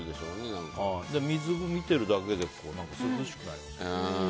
水を見てるだけで涼しくなりますよね。